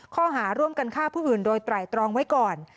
ข้อหาร่วมกันฆ่าผู้อื่นโดยไตรตรองไว้ก่อน